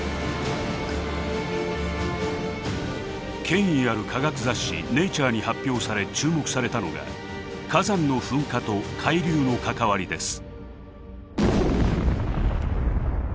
権威ある科学雑誌「ネイチャー」に発表され注目されたのが火山の噴火と海流の関わりです。